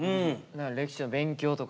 歴史の勉強とか。